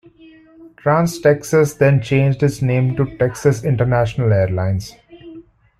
Trans-Texas then changed its name to Texas International Airlines.